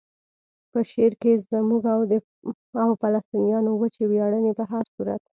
په شعر کې زموږ او د فلسطینیانو وچې ویاړنې په هر صورت.